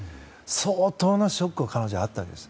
相当なショックが彼女にはあったんです。